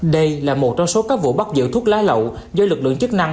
đây là một trong số các vụ bắt giữ thuốc lá lậu do lực lượng chức năng